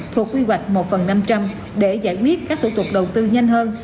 thuộc quy hoạch một phần năm trăm linh để giải quyết các thủ tục đầu tư nhanh hơn